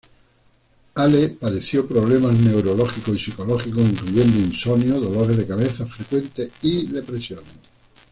Hale padeció problemas neurológicos y psicológicos, incluyendo insomnio, dolores de cabeza frecuentes, y depresiones.